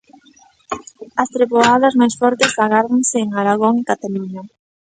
As treboadas máis fortes agárdanse en Aragón e Cataluña.